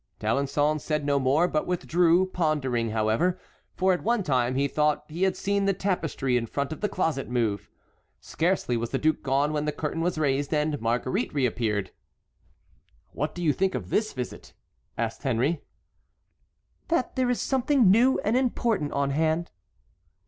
D'Alençon said no more, but withdrew, pondering, however; for at one time he thought he had seen the tapestry in front of the closet move. Scarcely was the duke gone when the curtain was raised and Marguerite reappeared. "What do you think of this visit?" asked Henry. "That there is something new and important on hand."